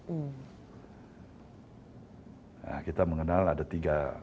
hmm nah kita mengenal ada tiga daerah jawa yang cukup potensial